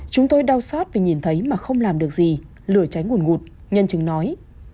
chúng tôi đau xót vì nhìn thấy mà không làm được gì lửa cháy nguồn ngụt nhân chứng nói